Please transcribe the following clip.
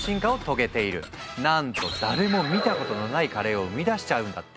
なんと誰も見たことのないカレーを生み出しちゃうんだって。